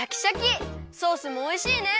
ソースもおいしいね！